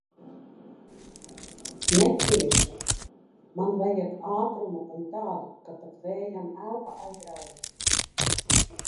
Neciešu! Man vajag ātrumu un tādu, ka pat vējam elpa aizraujas.